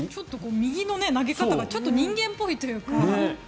右の投げ方がちょっと人間っぽいというか。